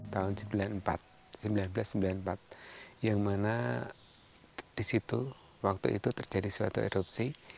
tahun seribu sembilan ratus sembilan puluh empat yang mana di situ waktu itu terjadi suatu erupsi